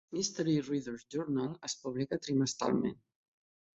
"Mystery Readers Journal" es publica trimestralment.